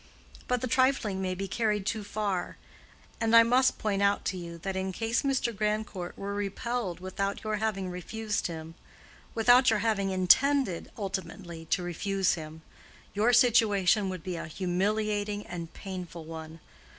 But the trifling may be carried too far. And I must point out to you that in case Mr. Grandcourt were repelled without your having refused him—without your having intended ultimately to refuse him, your situation would be a humiliating and painful one.